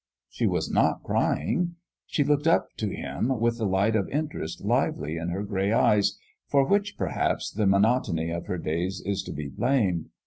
She was not crying ; she looked up to him with the light of interest lively in her gray eyes, for which, perhaps, the monotony of her days is to be blamed.